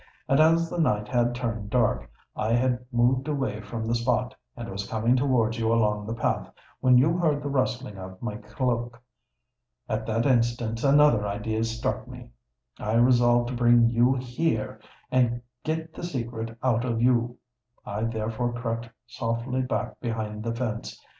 And as the night had turned dark, I had moved away from the spot, and was coming towards you along the path, when you heard the rustling of my cloak. At that instant another idea struck me: I resolved to bring you here, and get the secret out of you. I therefore crept softly back behind the fence.